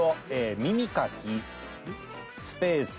耳かきスペース。